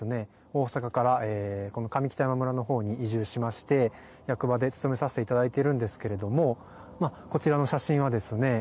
大阪から、この上北山村のほうに移住しまして役場で務めさせていただいてるのですけどこちらの写真はですね